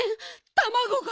たまごが。